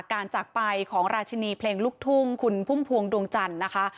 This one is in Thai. จากไปของราชินีเพลงลูกทุ่งคุณพุ่มพวงดวงจันทร์นะคะ